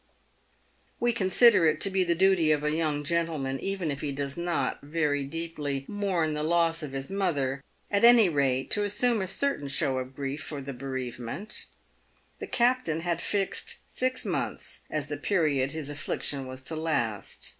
"We consider it to be the duty of a young gentleman, even if he does not very deeply mourn the loss of his mother, at any rate to assume a certain show of grief for the bereavement. The captain had fixed six months as the period his affliction was to last.